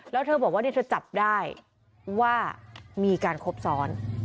แล้วเธอบอกว่าเธอจับได้ว่ามีการครบซ้อน